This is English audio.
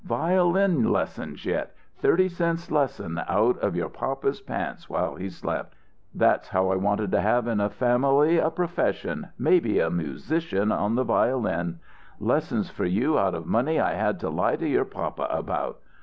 Violin lessons yet thirty cents lesson out of your papa's pants while he slept! That's how I wanted to have in the family a profession maybe a musician on the violin. Lessons for you out of money I had to lie to your papa about!